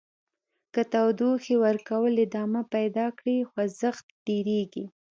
که تودوخې ورکول ادامه پیدا کړي خوځیدل ډیریږي.